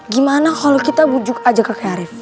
gimana kalau kita bujuk aja kakek arief